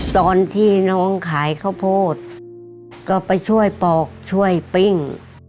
ตอนที่น้องขายข้าวโพดก็ไปช่วยปอกช่วยปิ้ง